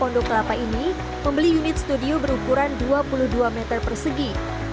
pondok kelapa ini membeli unit studio berukuran dua puluh dua meter persegi